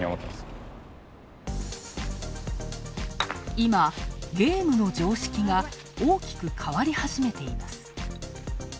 今、ゲームの常識が大きく変わり始めています。